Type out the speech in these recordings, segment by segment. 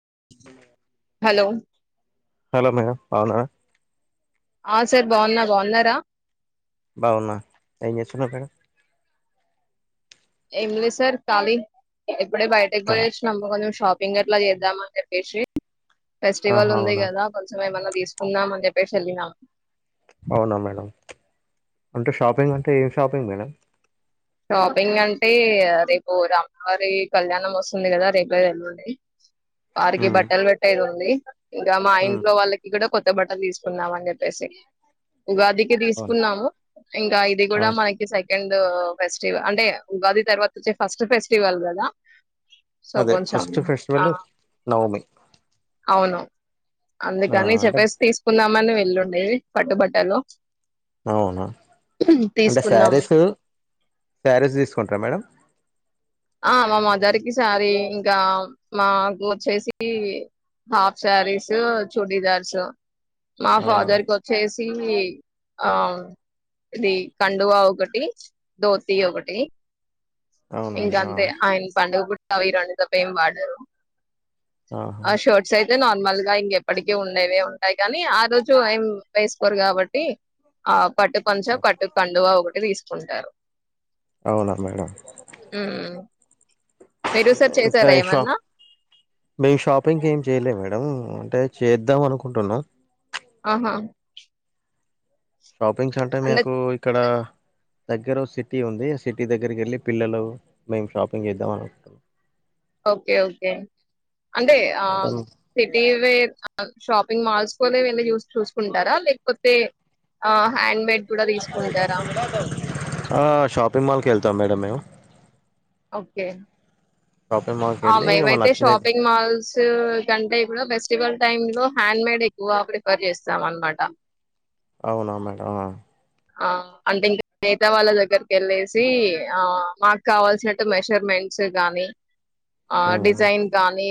[inaudible] కలో హలో మేమ్ బావన ఆ సార్ బాగున్నా బాగున్నారా. బావున్న ఎంజెస్తున్నారూ మేడమ్. ఏంలే సార్ కాలి. ఇప్పుడే బయటక్ కా పోయోచ్చినం బో నం షాప్. ఫింగర్ లా జేద్దామా అని చెప్పేసి ఆహా ఫెస్టివల్ ఉంది అవునా గదా కొంచమ్ ఏమన్న తీసుకుందాం అని చెప్పేసి వెళ్ళినా. అవునా మేడం అంటే షాపింగ్ అంటే ఏ షాపింగ్ మేడం. షాపింగ్ అంటే రేపు రాములవారి కళ్యాణం వస్తుంది కదా రేప్ లేదు ఎల్లుండి. వారికి ఉమ్ బట్టల బెట్టే దున్ [unintelligible] ఇంక మా ఉమ్ ఇంట్లో వాళ్ళకి కూడా కొత్ బట్టలు తీసుకుందా అని జెప్పేసి ఉగాదికి అవును తీసుకున్నాము. ఇంకా ఇది గుడా అవును మనకి సై ఎండు ఫెస్టివల్ అంటే ఉగాది తర్వాత వచ్చే ఫస్ట్ ఫెస్టివల్ కదా సో అదే కొంచెం ఫస్ట్ ఆ ఫెస్టివల్ నవమి అవును ఆ అందుకని అంటే చెప్పేసి తీసుకుందామని వెల్ లున్ ఉండేవి పట్టుబట్టలో అవునా అంటే తీసుకున్నాము శారీసు శారీస్ తీసుకుంటార మేడం ఆ మా మదర్కి శారీ ఇంకా మాకు వచ్చేసి హాఫ్ శారీసు, చూడీదార్సు మా ఆ ఫాదర్ కి వచ్చేసి లుంగీ ఆ ఇది కండువా ఒకటి దోతి ఒకటి అవునా ఇంక మేడం ఆ అంతే ఆయన పండుగ పుట్ అవి రాని తప్ప ఏం వాడరు ఆహా ఆషోర్ట్ సైజ్ లెద్ నార్మల్ గా ఇంకెప్పటికీ ఉండేవే ఉంటాయి కానీ ఆ రోజు ఏం వేసుకోరు కాబట్టి ఆ పట్టు పంచా కట్టు కండువా ఒకటి తీస్ ఉంటారు అవునా మేడం మ్మ్ ఇంకా షాప్ మేము షాపింగ్ ఏం చేయలే మేడం మేడం అంటే చేద్దాం అనుకుంటున్నాం ఆహా షాపింగ్స్ అంటే మేకు ఇక్కడ దగ్గర సిటీ ఉంది. ఆ సిటీ దగ్గరికి వెళ్ళి పిల్లలు మేము షాపింగ్ చేద్దాం అనుకుం [inaudible] ఓకే ఓకే అంటే ఆ సిటీవేర్ [inaudible] షాప్ [unintelligible] మాల్స్కోలే వెళ్లి చూస్ చూసుకుంటారా లేకపోతే ఆ హ్యాండ్ బ్యాగ్ ఆ షాప్ పెర్మాల్కి వెళ్తాం మేడం మేము ఓకే షాపింగ్ మాల్ కి అమ వెళ్ళి ఇగ ఏమైతే నచ్చినయి షాపింగ్ మాల్స్ కంటే కూడా ఫెస్టివల్ టైమ్ లో హ్యాండ్ మేడ్ ఎక్కువ ప్రిఫర్ చేస్తాం అనమాట అవునా మేడంమ్ ఆ అంటే ఇంకా మేతా వాళ్ళ దగ్గరికి వెళ్ళేసి ఆ మాకు కావాల్సిన మెషర్మెంట్స్ కాగానీ ఆ డిజైన్ గానీ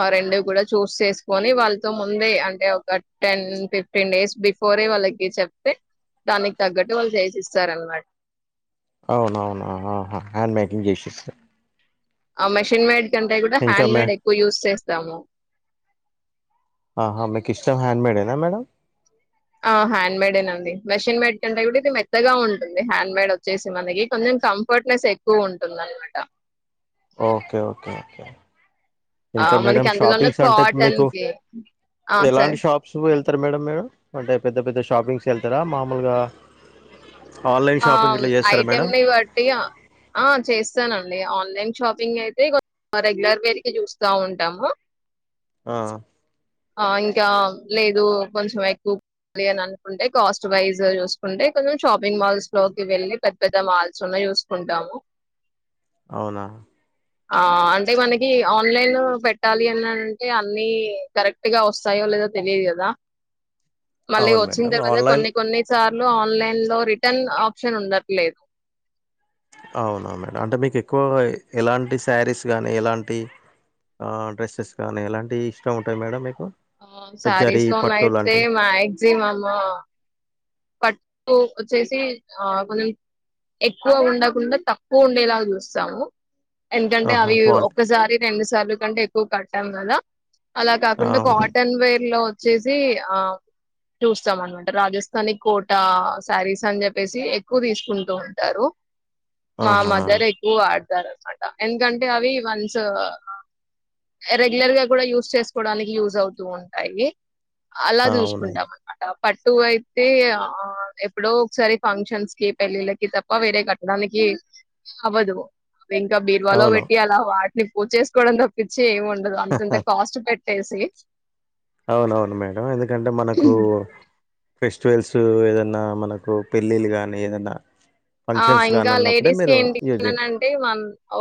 ఆ రెండు కూడా చూస్ చేసుకొని వాళ్ళతో ముందే అంటే ఒక టెన్ ఫిఫ్టీన్ డేస్ బిఫోరే వాళ్ళకి చెప్తే దానికి తగ్గట్టు వాళ్ళు చేసి ఇస్తార అనమాట అవునవునాహ హ్యాండ్ మేకింగ్ చేసేస్తారు ఆ మషన్ మేడ్ ంటే కూడా మే హ్యాడ్ేడ్ ఎక్కువ ూ్ చేస్త స్తము ఆహా మీకు ఇష్టం హ్యాండ్ మేడ్ేనా మేడం ఆ హ్యాండ్ మేడేనండి మెషిన్ మేడ్ కంటే కూడా ఇది మెత్తగా ఉంటుంది హ్యాండ్ మేడ్ వచ్చేసి మనకి కొంచెం కంఫర్ట్నెస్ ఎక్కువ ఉంటుంది అనమాట ఓకే ఓకే ఓకే ఆ ఇంకా మేడం మనకి అందులోన్న షాపింగ్స్ అంటే కాటన్ మీకు కి ఆ సరే ఎలాంటి షాప్స్ వె చెప్స్తారు మేడం మేడం అంటే పెద్ద పెద్ద షాపింగ్స్ వెళ్తారా మామూలుగా ఆన్లైన్ ఆ షాపింగ్ ఇట్లా చేస్తారా మేడం ఐటెంని బట్టి ఆ చేస్తాన ఆన్లైన్ షాపింగ్ అయితే రెగ్యులర్ వేరుకి చూస్తా ఉంటాము ఆ ఆ లేదు కొంచెం ఎక్కువాలి అని అనుకుంటే కాస్ట్ వైజ్ చూసుకుంటే కొంచెం షాపింగ్ మాల్స్ స్లోకి వెళ్ళలి పెద్ద పెద్ద మాల్చన్న చూసుకుంటాము అవునా ఆ అంటే మనకి ఆన్లైన్ పెట్టాలి అని అంటే అన్ని కరెక్ట్గా వస్తాయో లేదో తెలియదు కదా మళ్ళీ అవును వచ్చిన మేడం తర్వాత ఆన్లైన్ కొన్ని కొన్ని చాల ఆన్లైన్ రిటర్న్ ఆప్షన్ ఉండట్లేదు అవునా మేడం అంటే మీకు ఎక్కువ ఎలాంటి శారీస్ కానీ ఎలాంటి డ్రెస్సెస్ కానీ ఎలాంటి ఇష్టం ఉంటాయి మేడం ఆ జరీ సారీస్లోన్ పట్టు అయితే లాంటి మా ఎగ్జీమ్ అమ్మా పట్ వచ్చేసి ఆ కొంచం ఎక్కువ ఉండకుండా తక్కువ ఉండేలాగా చూస్తాము ఎందుకంటే ఆహా అవి క్వాలిటీ ఒక్కసారి రెండు సార్లు కంటే కట్టాంల అలా కాకుండా అవును కాటన్ వేర్ లో వచ్చేసి ఆ చూస్తాంనమాట రాజస్ తని కోట శారీస్ అని చెప్పేసి ఎక్కువ తీసుకుంటూ ఉంటారు మా ఆహా మదర్ ఎక్కువ వా నమాట ఎందుకంటే అవి వన్స్ రెగ్యులర్ గా కూడా యూస్ చేసుకోవడానికి యూజ్ అవుతూ ఉంటాయి అలా అవును చూసుకుంటాం అనమాట పటుయి అయితే ఆ ఎప్పుడో ఒకసారి ఫంక్షన్స్ కి పెళ్ళిళ్ళకి తప్ప వేరే కట్టడానికి అవ్వదు ఇంకా బీర్వాలో అవును పెట్టి అలా వా నీకు పూజ చేసుకోవడం తప్పించి ఎమ్ఉండదు అంత అంత కాస్ట్ పెట్టీ తెసి అవునవును మేడం ఎందుకంటే మనకు ఫెస్ట్ ఫువెల్స్ ఏదన్నా మనకు పెళ్ళిళ్ళ కానీ ఏదన్నా ఆ ఫంక్షన్స్ గానీ ఇంకా ఉన్నప్పుడే లేడీస్ క మీరు యూజింగ్ ఏంటింటే మ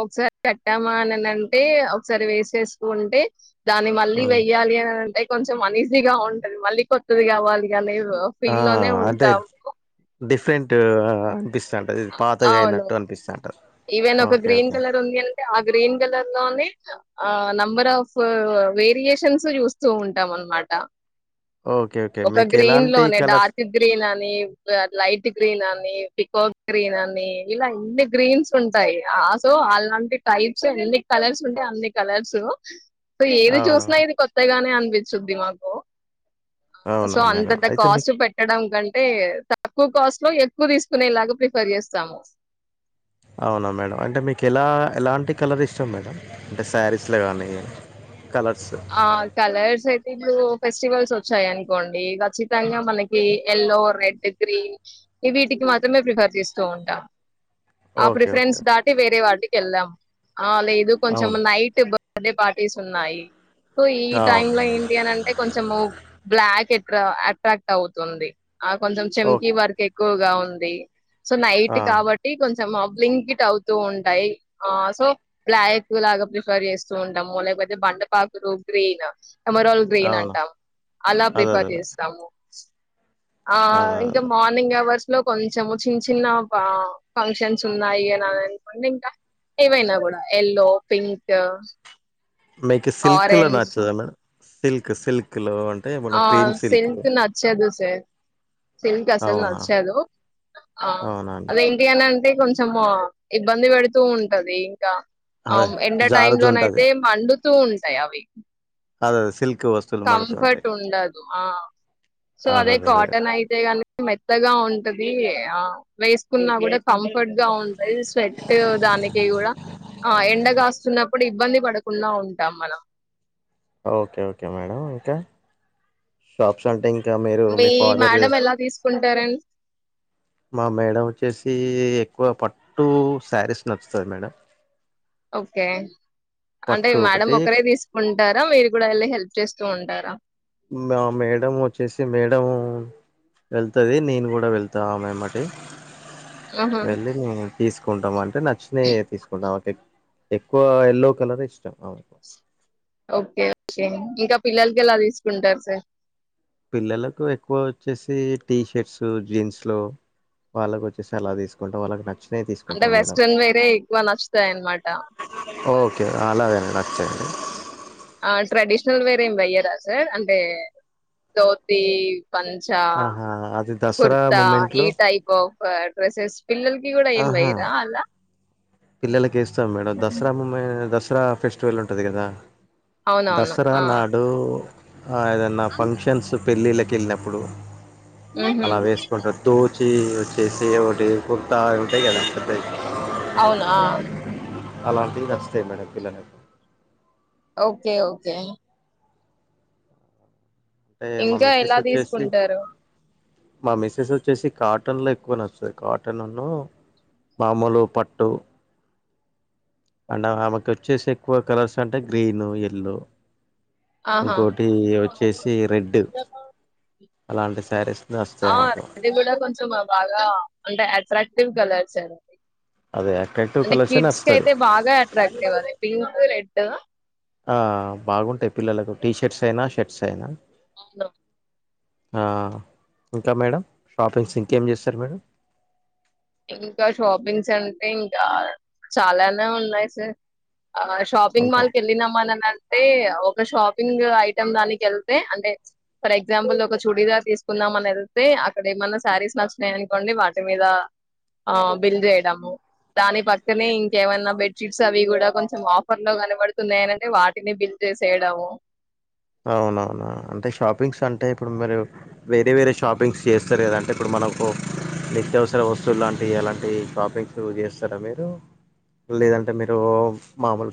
ఒకసారి కట్టామా అని ఉంటే ఒకసారి వేసేసుకుంటే దాన్ని మళ్ళీ ఉమ్. వెయ్యాలి అని అంటే కొంచెం అనీజీగా ఉంటంది మళ్ళీ కొత్తది కావాలి అని ఆ ఫీల్ లోనే అంటే ఉంటాము డిఫరెంట్ అంట ఇది పాతగా అవును అయినట్టు అనిపిస్తు ఉంటాది ఈవెన్ ఒక గ్రీన్ కలర్ ఉంది అంటే ఆ గ్రీన్ కలర్ లోనే ఆ నంబర్ ఆఫ్ వేరియేషన్స్ చూస్తూ ఉంటాం అనమాట ఓకే ఓకే ఒక మీకు గ్రీన్ ఎలాంటి లోనే కలర్స్ డార్క్ గ్రీన్ అని లైట్ గ్రీన్ అని పీకాక్ గ్రీన్ అని ఇలా ఇన్ని గ్రీన్స్ ఉంటాయి ఆ సో అలాంటి టైప్స్ ఎన్ని కలర్స్ ఉంటే అన్ని కలర్స్ సో ఏది చూసినా అవునవును ఇది కొత్తగానే అ విచ్చుధి మాకు సో అవునా మేడం అంతంత అయితే మీకు కాస్ట్ పెట్టడం కంటే తక్కువ కాస్ట్ లో ఎక్కువ తీసుకునేలాగా ప్రిఫర్ చేస్తాము అవునా మేడం అంటే మీకు ఎలా ఎలాంటి కలర్ ఇష్టం మేడం అంటే సారీస్ లో కానీ కలర్స్ ఆ కలర్స్ అయితే వీళ్ళు ఫెస్టివల్స్ వచ్చాయి అనుకోండి ఖచ్చితంగా మనకి ఎల్లో రెడ్ గ్రీన్ ఈ వీటికి మాత్రమే ప్రిఫర్ చేస్తూ ఉంటా ఆ ఓకే ఓకే ప్రిఫరెన్స్ ఓకే దాటి వేరే వాటికి ఎల్లం ఆ లేేదు కొంచం అవును నైట్ బ అదే పార్టీస్ ఉన్నాయి సో ఈ ఆ, టైమ్ లో ఏంటి అనింటే కొంచెము బ్లాక్ ఎ అట్రాక్ట్ అవుతుంది ఆ కొంచెం చెంకీ ఓకే వర్క్ ఎ ఎక్కువగా ఉంది సో నైట్ ఆహా, కాబట్టి కొంచెం బ్లింకిట్ అవుతూ ఉంటయ్ ఆ సో బ్లాయక్ లాగా ప్రిఫర్ చేస్తూ ఉంటాము లేకపోతే బండపాకు రోప్రేనా ఎమరాల్ గ్రీన్ అవునా అంటాం. అలా అదే అదే ప్రిఫర్ అదే చేస్తాము. ఆ అదే అదే ఇంకా అదే మార్నింగ్ అవర్స్ లో కొంచెము చిన్న చిన్న పా ఫంక్షన్స్ ఉన్నాయి. అని అని అనుకంటే ఇంకా ఏవైనా కూడా ఎల్లో, పింక్ మీకి సిల్క్ కలర్ ఆరెంజ్ నచ్చదా మేడం సిల్క్ సిల్క్ లో అంటే మన ఆ గ్రీన్ సిల్క్ నచ్చదు సర్ సిల్క్ అసలు అవునా నచ్చదు ఆ అవునా అండి అది ఇండియన్ అంటే కొంచెము ఇబ్బంది పెడుతూ ఉంటది ఇంకా అదే అవును ఎండ టైం లోన్ జారుతుంటది అయితే మండుత్ తూ ఉంటయి అవి అదే అదే సిల్క్ వస్తువులు కంఫర్ట్ మడుతుంటాయి ఉండదు ఆ సో అదే కాటన్ అయితే గాని మెత్తగా ఉంటది. ఆ వేసుకున్నా కూడా కంఫర్ట్ గా ఉంటది. స్వెట్ దానికి కూడా ఆ ఎండగాస్తున్నప్పుడు ఇబ్బంది పడకుండా ఉంటాం మనం. ఓకే ఓకే మేడం ఇంకా షాప్స్ అంటే ఇం ఇంకా మీరు మీ ఫాదర్ మేడం ఎలా తీసుకుంటారండి మా మేడం వచ్చేసి క్కువ పట్టు శారీస్ నచ్చుతది మేడం ఓకే అంటే పట్టు మేడం ఒకటి ఒక్కరే తీసుకుంటారా మీరు కూడా వెళ్ళి హెలే హెల్ప్ చెస్ సో ఉంటారా మా మేడం వచ్చేసి మేడం వెళ్తది. నేను కూడా వెళ్తా ఆమెమ్మటే ఆహా వెళ్ళి నేన్ తీసుకుంటామని అంటే నచ్చినవే తీసుకుంటాం ట్ ఎక్కువ ఎల్లో కలర్ ఇష్టం ఆమెకు ఓకే ఓకే ఇంకా పిల్లలకి ఎలా తీసుకుంటారు సార్ పిల్లలకు ఎక్కువ వచ్చేసి టీ షర్ట్స్ జీన్స్ లో వాళ్ళకు వచ్చేసి అలా తీసుకుంటా వాళ్ళకి నచ్చి అంటే వెస్ట్రన్ వేరే ఎక్కువ నచ్చుతాయి అనమాట ఓకే అలాగా ఆ ట్రెడీషనల్ వేర్ బయ్య దాసర్ అంటే దోతీ పంచా, ఆహా అది దసరా కుర్తా మూమెంట్ ఈ లో టైప్ ఆఫ్ [unintelligible] డ్రెసెస్ పిల్లల్కీ కూడా ఏం వెయ్రా అలా. పిల్లల కేస్ స్తం మేడం దసరా మూమే ఇత్రా ఫెస్టివల్ ఉంటది కదా. అవునవును దసరా ఆ నాడూ ఆ ఏదన్నా ఫంక్షన్సు. పెళ్ళిళ్ళకి ఎళ్ళినప్పుడు. ఊహు అలా వేసుకుంటార్ దోత్ చ్చీ వచ్చేసీ ఏవోటీ కుర్తా అవి వుంటయి గదా పెద్దయి. అవునా అలాంటివి నచ్చుతయ్ మన పిల్లలకు. Okay okay. అంటే మా ఇంకా మిస్సెస్ ఎలా వచ్చేసి తీసుకుంటారు. మా మిస్సెస్ వచ్చేసి కాటన్లో ఎక్కువ నచ్చుతది కాటన్నునూ, మామూలు పట్టు. అండ్ ఆమెకు వచ్చేసి ఎక్కువ కలర్స్ అంటే గ్రీనూ, ఎల్లో. ఆహా ఇంకోటీ వచ్చేసీ రెడ్డ్. అలాంటి సారీస్ ఆ [inaudible] కూడా కొంచం ఆమ్ బాగా అంటే అట్రాక్టివ్ కలర్స్ అవి. అదే అట్రాక్టివ్ అంటే కలర్సే కిడ్స్ నచ్చుతది కయితే బాగా అట్రాక్టివ్ అవి పింక, రెడ్ ఆ ఆ బాగుంటాయి పిల్లలకు టీ షర్ట్స్ అయినా షర్ట్స్ అయినా. అవునా ఆ ఇంకా మేడం, షాపింగ్స్ ఇంకేం చేస్తారు మీరు. ఇంకా షాపింగ్స్ అంటే ఇంకా, చాలానే ఉన్నాయి సార్. ఆ షాపింగ్ అంటే మాల్ కి ఎళ్ళినామనని అంటే ఒక షాప్ పింగ ఐటమ్ దానికి ఎళ్తే అంటే, ఫర్ ఎగ్జాంపుల్ ఒక చుడీదార్ తీసుకుందాం అని ఎళ్తే అక్కడ ఏమన్నా శారీస్ నచ్చినయ్ అనుకోండి వాటి మీదా ఆ బిల్ చేయడము. దాని పక్కనే ఇంకేమైనా బెడ్ షీట్స్ అవి కూడా కొంచెం ఆఫర్ లో కనబడుతున్నాయని అంటే వాటిని బిల్ చేసేయడము. అవునవునా అంటే షాపింగ్స్ అంటే, ఇప్పుడు మీరు వేరే వేరే షాపింగ్స్ చేస్తారు గదా అంటే ఇప్పుడు మనకు నిత్యావసర వస్తువులు లాంటియి అలాంటియి షాపింగ్సు చేస్తారా మీరూ. లేదంటే మీరూ మామూల్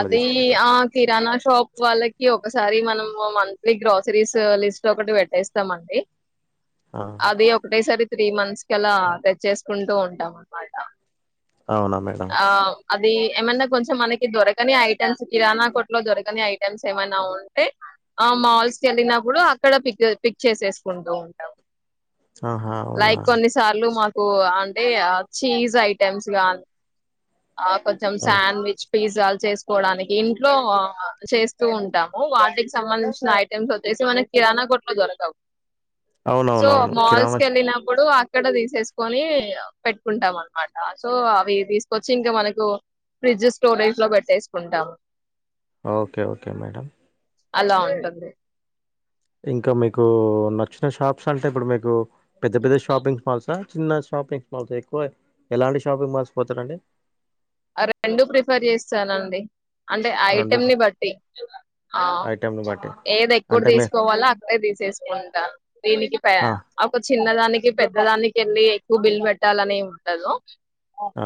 అదీ ఆ కిరాణా షాప్ వాళ్ళకి ఒక్ ఒకసారి మనము మంత్లీ గ్రాసరీస్ ఆ లిస్ట్ ఒకటి పెట్టేస్తామ్ అండి. ఆ అది ఒకటేసారి త్రీ మంత్స్ కి ఆలా తెచ్చేసుకుంటూ ఉంటాం అనమాటా. అవునా మేడం. అది ఏమన్నా కొంచెం మనకి దొరకని ఐటమ్స్ కిరాణా కొట్ లో దొరకని ఐటమ్స్ ఏమన్నా ఉంటే ఆ మాల్స్కి వెళ్ళినప్పుడు అక్కడ పిక్ పిక్ చేసేసుకుంటూ ఉంటాం. ఆహా అవునా లైక్ కొన్నిసార్లు మా ఓ అంటే చీజ్ ఐటెమ్స్ గానీ ఆ కొంచెం సాండ్విచ్ పిజ్ జల్ చేసుకోవడానికి ఇంట్లో చేస్తూ ఉంటాము. వాటికి సంబంధించిన ఐటమ్స్ వచ్చేసి మన కిరాణా కొట్లో దొరకవ్. సో అవునవునవును మాల్స్ కిరాణా షా కెళ్లినప్పుడు ఇక్కడ తీసేసుకొని పెట్టుకుంటాం. అనమాట సో అవి తీస్ వచ్చి ఇంకా మనకు ఫ్రిడ్జ్ స్టోరేజ్ లో పెట్టేసుకుంటాము. ఓకే ఓకే మేడం అలా ఉంటుంది. ఇంకా మీకు నచ్చిన షాప్స్ అంటె ఇప్పుడు మీకు పెద్ద పెద్ద షాపింగ్ మాల్సా చిన్న షాపింగ్ మాల్స్ ఎక్కువ ఎలాంటి షాపింగ్ మాల్స్ పోతారండి. ఆ రెండు ప్రిఫర్ చేస్తానండి. అంటె రెండు ఐటెంని బట్టి ఆ ఐటెంని బట్టి ఏది ఎక్కుడు అంటే మే తీసుకోవాలొ అక్కడె తీసేసుకుంటా దీనికి పే ఆ ఒక చిన్నదాని పెద్దదానికి వెళ్ళి ఎక్కువ బిల్ పెట్టాలని ఏం ఉండదు.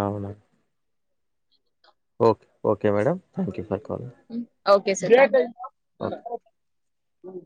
అవును okay okay madam thank you bye hmm ఓక్ ఏసే [unintelligible] ఓకే అ ఉం